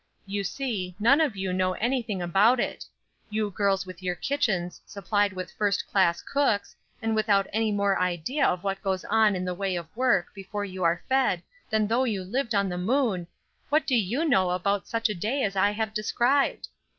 You see, none of you know anything about it. You girls with your kitchens supplied with first class cooks, and without any more idea of what goes on in the way of work before you are fed than though you lived in the moon, what do you know about such a day as I have described?